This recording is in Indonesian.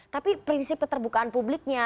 tapi prinsip keterbukaan publiknya